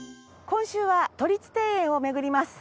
今週は都立庭園を巡ります。